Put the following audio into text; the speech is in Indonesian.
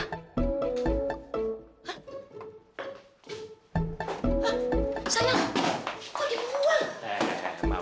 kok dia buang